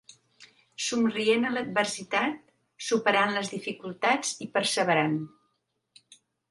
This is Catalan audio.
Somrient a l’adversitat, superant les dificultats i perseverant.